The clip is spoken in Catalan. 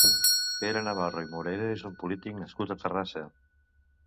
Pere Navarro i Morera és un polític nascut a Terrassa.